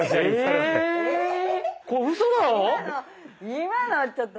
今のちょっと。